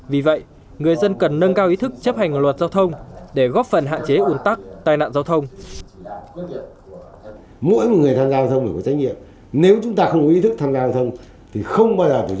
vì vậy người dân cần nâng cao ý thức chấp hành của luật giao thông để góp phần hạn chế ủn tắc tai nạn giao thông